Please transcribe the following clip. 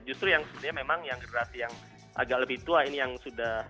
justru yang sebenarnya memang yang generasi yang agak lebih tua ini yang sudah